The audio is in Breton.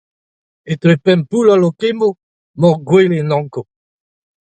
Etre Pempoull ha Lokemo 'mañ gwele an Ankoù.